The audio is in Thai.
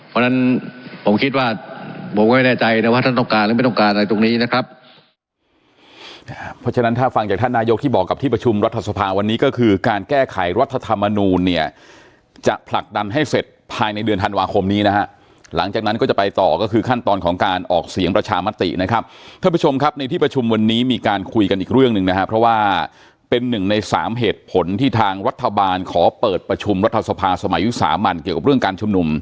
เพราะฉะนั้นผมคิดว่าผมก็ไม่แน่ใจว่าท่านต้องการหรือไม่ต้องการอะไรตรงนี้นะครับ